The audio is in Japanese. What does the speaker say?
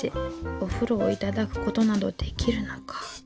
お風呂をいただく事などできるのか。